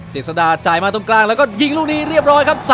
เจษดาจ่ายมาตรงกลางแล้วก็ยิงลูกนี้เรียบร้อยครับ